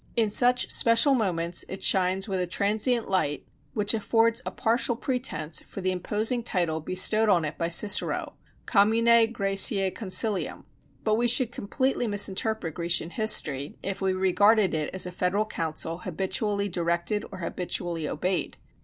In such special moments it shines with a transient light which affords a partial pretense for the imposing title bestowed on it by Cicero commune Græciæ concilium; but we should completely misinterpret Grecian history if we regarded it as a federal council habitually directed or habitually obeyed.